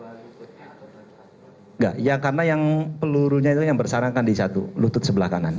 enggak ya karena yang pelurunya itu yang bersarang kan di satu lutut sebelah kanan